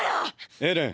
エレン。